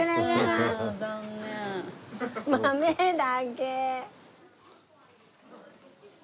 豆だけ。